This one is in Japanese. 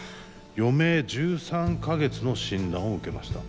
「余命１３か月の診断を受けました。